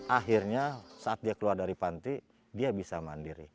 akhirnya saat dia keluar dari panti dia bisa mandiri